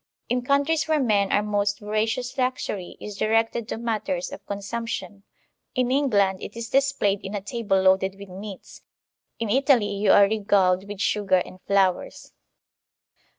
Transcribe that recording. In countries where men are most voracious luxury is directed to matters of consumption; in England it is displayed in a table loaded with meats; in Italy you are regaled with sugar and flowers.